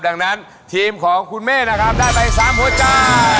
ดังนั้นทีมของคุณเมฆนะครับได้ไป๓หัวใจ